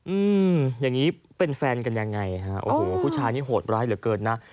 อืมอย่างงี้เป็นแฟนกันยังไงฮะโอ้โหผู้ชายนี่โหดร้ายเหลือเกินนะ